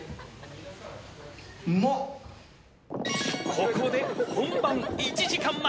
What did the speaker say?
ここで、本番１時間前。